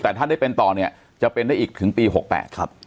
แต่ถ้าได้เป็นต่อเนี่ยจะเป็นได้อีกถึงปี๖๘ครับ